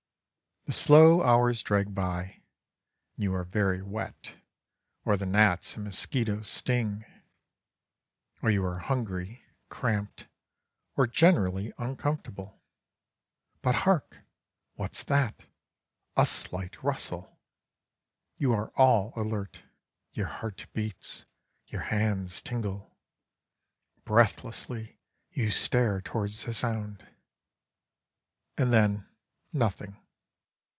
The slow hours drag by, and you are very wet, or the gnats and mosquitoes sting, or you are hungry, cramped, or generally uncomfortable but hark! What's that? A slight rustle! You are all alert. Your heart beats. Your hands tingle. Breathlessly you stare towards the sound. And then nothing.